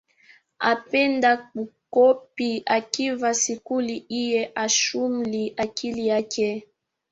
Apenda kukopi akiva sikuli iye hachumii akili ake.